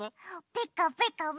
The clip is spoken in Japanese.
ピカピカブ！